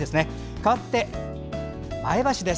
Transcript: かわって前橋です。